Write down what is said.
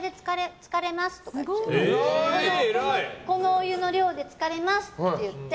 このお湯の量で浸かれますって言って。